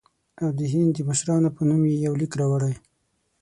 او د هند د مشرانو په نوم یې یو لیک راوړی.